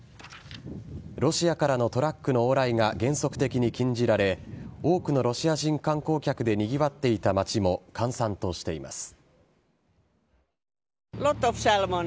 ロシアからのトラックの往来が原則的に禁じられ多くのロシア人観光客でにぎわっていた街も閑散としています。